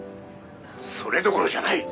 「それどころじゃない。